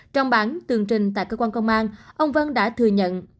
trong bản tường trình tại cơ quan công an ông vân đã thừa nhận